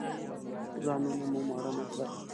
ځانونه مو ماړه نه کړل.